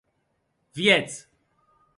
Vietz.